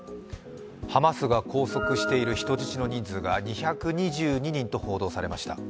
ハマスが拘束している人質の人数が２２２人と報道されました。